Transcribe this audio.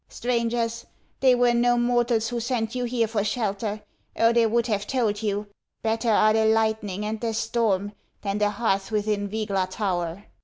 Strangers, they were no mortals who sent you here for shelter, or they would have told you : Better are the lightning and the storm than the hearth within Vygla tower.